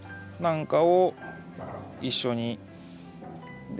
なんかを一緒に。